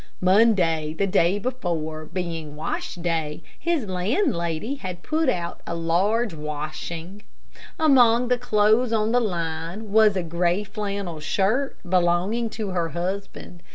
Monday, the day before, being wash day, his landlady had put out a large washing. Among the clothes on the line was a gray flannel shirt belonging to her husband.